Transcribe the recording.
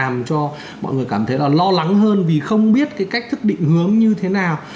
mọi người cảm thấy là lo lắng hơn vì không biết cái cách thức định hướng như thế nào